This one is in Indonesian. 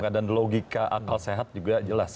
logika akal sehat juga jelas